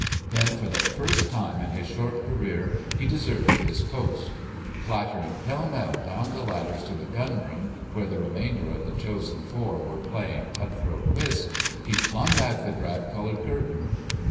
Then for the first time in his short career he deserted his post. Clattering pell mell down the ladders to the Gunroom, where the remainder of the Chosen Four were playing cut throat whist, he flung back the drab coloured curtain.